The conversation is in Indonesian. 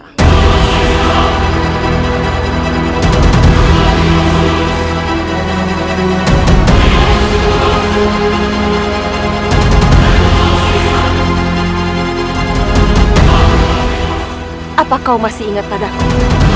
apa kau masih ingat padaku